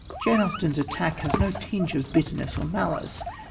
Jane Austen's attack has no tinge of bitterness or malice.